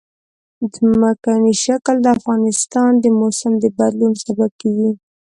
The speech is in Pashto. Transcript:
ځمکنی شکل د افغانستان د موسم د بدلون سبب کېږي.